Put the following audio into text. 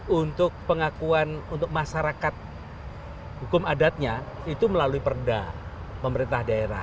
untuk pengakuan untuk masyarakat hukum adatnya itu melalui perda pemerintah daerah